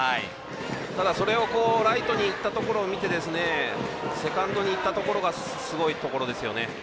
ただ、それをライトにいったところを見てセカンドにいったところがすごいところですよね。